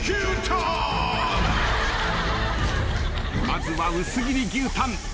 まずは薄切り牛タン。